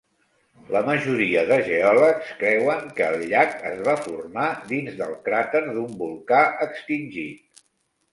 La majoria de geòlegs creuen que el llac es va formar dins del cràter d'un volcà extingit.